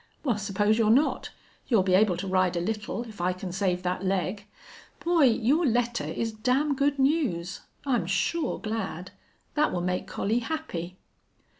Well, suppose you're not? You'll be able to ride a little, if I can save that leg.... Boy, your letter is damn good news. I'm sure glad. That will make Collie happy."